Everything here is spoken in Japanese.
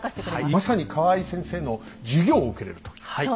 まさに河合先生の授業を受けれるという。